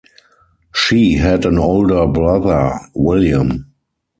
She had an older brother, William.